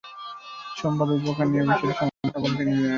সোমবার দুই পক্ষকে নিয়ে বিষয়টি সমাধান করা হবে বলে তিনি জেনেছেন।